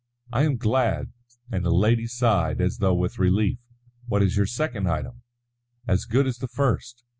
"I am glad," and the lady sighed as though with relief. "What is your second item?" "As good as the first.